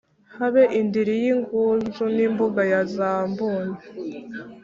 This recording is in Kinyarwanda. habe indiri y’ingunzu, n’imbuga ya za mbuni.